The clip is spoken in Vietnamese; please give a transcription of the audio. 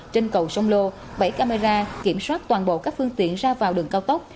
trên cầu sông lô bảy camera kiểm soát toàn bộ các phương tiện ra vào đường cao tốc